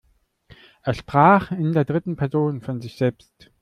Er sprach in der dritten Person von sich selbst.